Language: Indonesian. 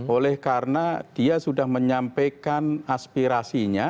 oleh karena dia sudah menyampaikan aspirasinya